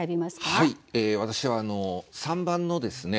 はい私は３番のですね